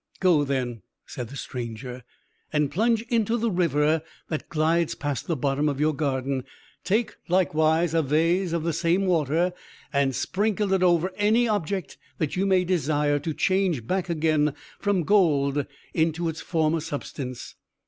"Go, then," said the stranger, "and plunge into the river that glides past the bottom of your garden. Take likewise a vase of the same water, and sprinkle it over any object that you may desire to change back again from gold into its former substance.